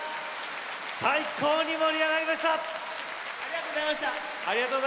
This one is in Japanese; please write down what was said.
最高に盛り上がりました！